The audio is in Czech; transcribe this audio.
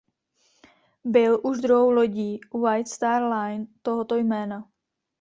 Byl už druhou lodí White Star Line tohoto jména.